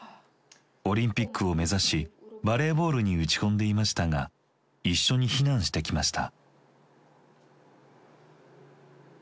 オリンピックを目指しバレーボールに打ち込んでいましたが一緒に避難してきました。